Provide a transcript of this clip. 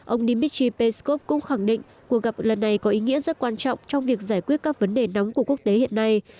ông dmitry peskov cũng khẳng định cuộc gặp lần này có ý nghĩa rất quan trọng trong việc giải quyết các vấn đề đóng của quốc tế hiện nay